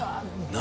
何？